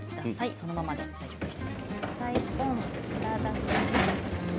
そのままで大丈夫です。